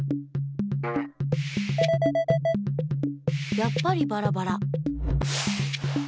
やっぱりバラバラ。